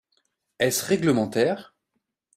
Est-ce réglementaire?